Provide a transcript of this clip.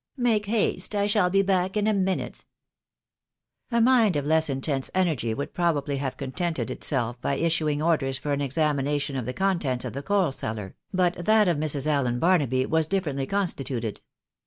Make haste, I shall be back in a lainute." A mind of less intense energy would probably have contented itself by issuing orders for an examination of the contents of the xioal ceUar, but that of Mrs. Allen Barnaby was differently con ■stituted.